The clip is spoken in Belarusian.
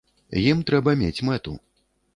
Ім трэба мець мэту.